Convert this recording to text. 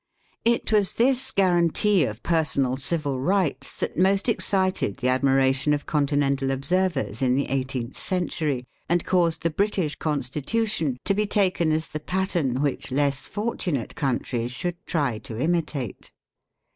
It was this guarantee of personal civil rights that most excited the admiration of Continental obser vers in the eighteenth century, and caused the British Constitution to be taken as the pattern which less fortunate countries should try to imitate.